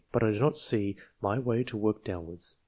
But I do not see my way to work downwards.